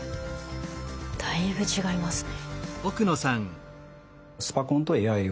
だいぶ違いますね。